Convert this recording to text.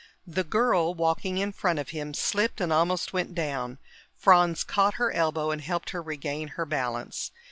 The girl, walking in front of him, slipped and almost went down. Franz caught her elbow and helped her regain her balance.